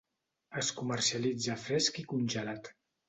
Es comercialitza fresc i congelat.